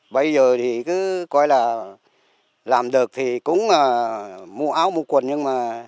bây giờ thì cứ coi là làm được thì cũng mua áo mua quần